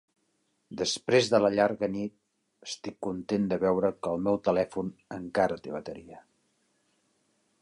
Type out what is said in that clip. Després de la llarga nit, estic content de veure que el meu telèfon encara té bateria.